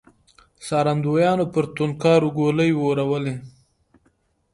څارندويانو پر توندکارو ګولۍ وورولې.